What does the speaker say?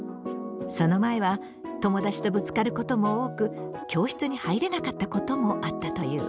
その前は友達とぶつかることも多く教室に入れなかったこともあったという。